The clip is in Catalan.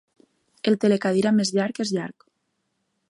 El telecadira més llarg és llarg.